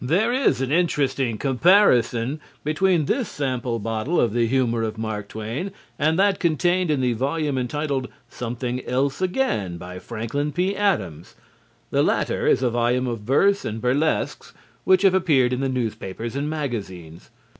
There is an interesting comparison between this sample bottle of the humor of Mark Twain and that contained in the volume entitled "Something Else Again," by Franklin P. Adams. The latter is a volume of verse and burlesques which have appeared in the newspapers and magazines.